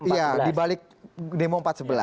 ya di balik demo empat ratus sebelas